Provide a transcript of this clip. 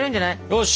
よし！